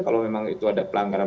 kalau memang itu ada pelanggaran